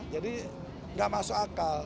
jadi gak masuk akal